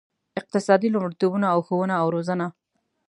اقتصادي لومړیتوبونه او ښوونه او روزنه.